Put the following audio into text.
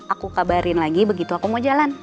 aku kabarin lagi begitu aku mau jalan